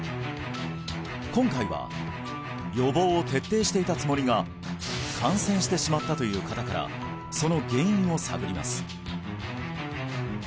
今回は予防を徹底していたつもりが感染してしまったという方からその原因を探ります